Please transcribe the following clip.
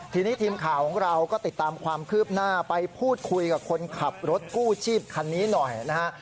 ทีนี้ทีมข่าวของเราก็ติดตามความคืบหน้าไปพูดคุยกับคนขับรถกู้ชีพคันนี้หน่อยนะฮะ